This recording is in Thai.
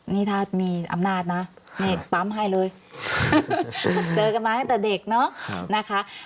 นี่ถ้ามีอำนาจนะนี่ปั๊มให้เลยเจอกันมาตั้งแต่เด็กเนอะนะคะ